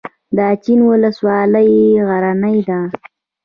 د اچین ولسوالۍ غرنۍ ده